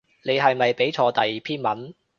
你係咪畀錯第篇文